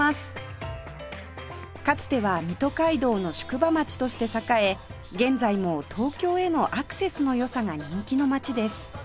かつては水戸街道の宿場町として栄え現在も東京へのアクセスの良さが人気の街です